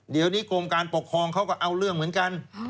เดี๋ยวนี้กรมการปกครองเขาก็เอาเรื่องเหมือนกัน